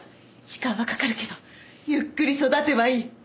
時間はかかるけどゆっくり育てばいい。